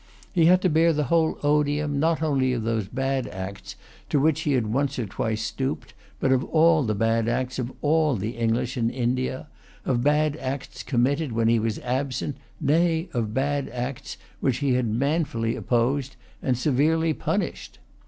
He had to bear the whole odium, not only of those bad acts to which he had once or twice stooped, but of all the bad acts of all the English in India, of bad acts committed when he was absent, nay, of bad acts which he had manfully opposed and severely punished.